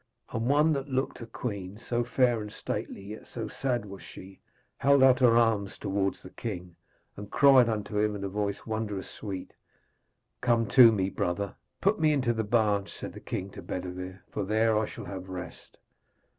And one that looked a queen, so fair and stately, yet so sad was she, held out her arms towards the king, and cried unto him in a voice wondrous sweet, 'Come to me, brother!' 'Put me into the barge,' said the king to Bedevere, 'for there I shall have rest.'